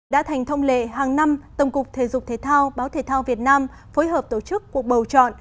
đã thành thông lệ hàng năm tổng cục thể dục thể thao báo thể thao việt nam phối hợp tổ chức cuộc bầu chọn